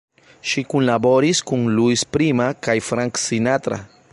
Ŝi kunlaboris kun Louis Prima kaj Frank Sinatra.